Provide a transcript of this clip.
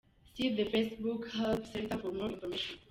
See the Facebook Help Center for more information.